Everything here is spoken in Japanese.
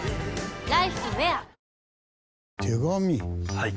はい。